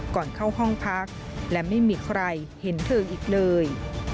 ก่อนเข้าห้องพักและไม่มีใครเห็นเธออีกเลย